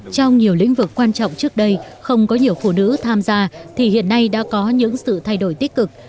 trong nhiều lĩnh vực quan trọng trước đây không có nhiều phụ nữ tham gia thì hiện nay đã có những sự thay đổi tích cực